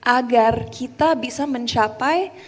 agar kita bisa mencapai